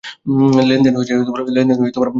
লেনদেন হয়েছে অনলাইনের মাধ্যমে।